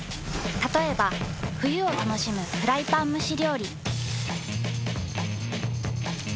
たとえば冬を楽しむフライパン蒸し料理。